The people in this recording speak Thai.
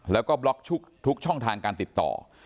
แล้วก็บล็อกทุกช่องทางการติดต่อ